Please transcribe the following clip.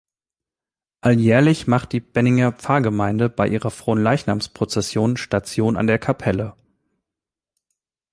Alljährlich macht die Benninger Pfarrgemeinde bei ihrer Fronleichnamsprozession Station an der Kapelle.